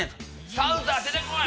「サウザー出てこい！」